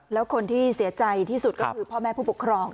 แล้วคนที่เสียใจที่สุดก็คือพ่อแม่ผู้ปกครอง